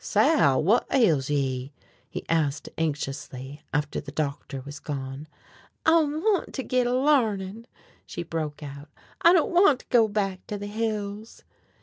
"Sal, whut ails ye?" he asked anxiously, after the doctor was gone. "I want to git a larnin'!" she broke out. "I don't want to go back to the hills."